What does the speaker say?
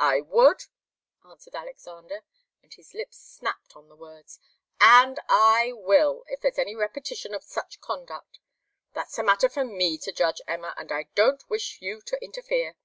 "I would," answered Alexander, and his lips snapped on the words. "And I will, if there's any repetition of such conduct. That's a matter for me to judge, Emma, and I don't wish you to interfere.